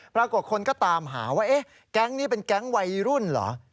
ปรากฏคนก็ตามหาว่าเอ๊ะแก๊งนี้เป็นแก๊งวัยรุ่นเหรอ